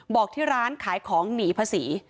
บอกที่ร้านขายของหนีภาษี